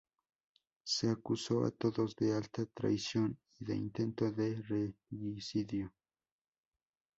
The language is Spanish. Se acusó a todos de alta traición y de intento de regicidio.